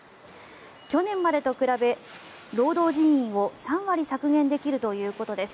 去年までと比べ労働人員を３割削減できるということです。